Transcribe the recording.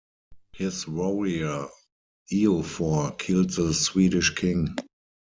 His warrior Eofor killed the Swedish king.